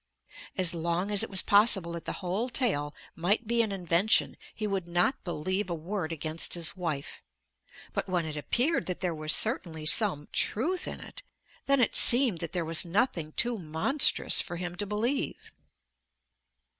As long as it was possible that the whole tale might be an invention he would not believe a word against his wife; but, when it appeared that there was certainly some truth in it, then it seemed that there was nothing too monstrous for him to believe.